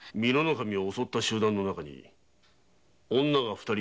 襲った集団の中に女が二人いた。